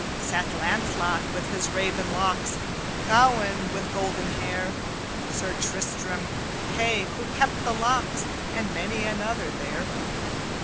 "Sat Lancelot with raven locks, Gawaine with golden hair, Sir Tristram, Kay who kept the locks, And many another there.